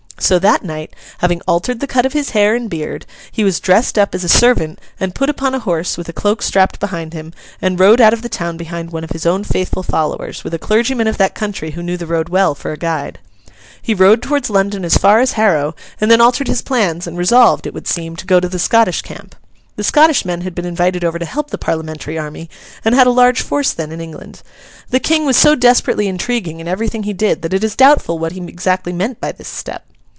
So, that night, having altered the cut of his hair and beard, he was dressed up as a servant and put upon a horse with a cloak strapped behind him, and rode out of the town behind one of his own faithful followers, with a clergyman of that country who knew the road well, for a guide. He rode towards London as far as Harrow, and then altered his plans and resolved, it would seem, to go to the Scottish camp. The Scottish men had been invited over to help the Parliamentary army, and had a large force then in England. The King was so desperately intriguing in everything he did, that it is doubtful what he exactly meant by this step.